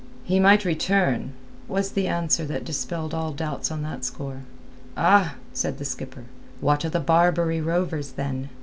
"He might return," was the answer that dispelled all doubts on that score. "Ah!" said the skipper. "What o' the Barbary rovers, then!